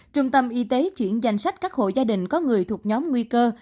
trung tâm y tế chuyển danh sách các hộ gia đình có người thuộc nhóm nguy cơ